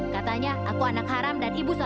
katanya aku anak haram dan ibu sama